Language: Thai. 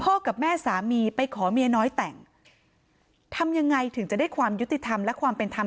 กับแม่สามีไปขอเมียน้อยแต่งทำยังไงถึงจะได้ความยุติธรรมและความเป็นธรรม